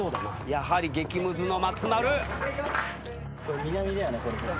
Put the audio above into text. やはり激むずの松丸。